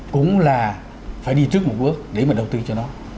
cũng là phải đi trước một bước để mà đầu tư cho nó